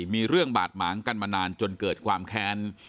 มีเรื่องบาดหมางกันมานานจนเกิดความแค้น